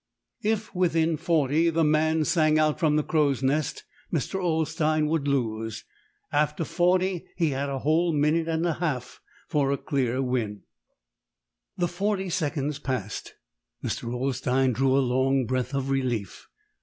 If within forty the man sang out from the crow's nest, Mr. Olstein would lose; after forty he had a whole minute and a half for a clear win. The forty seconds passed. Mr. Olstein drew a long breath of relief.